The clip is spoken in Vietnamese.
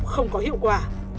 cũng không có hiệu quả